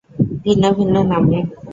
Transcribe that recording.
ভিন্ন ভিন্ন নামে।